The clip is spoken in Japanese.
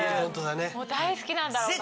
もう大好きなんだろうなって。